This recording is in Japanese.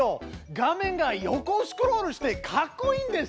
画面が横スクロールしてかっこいいんです！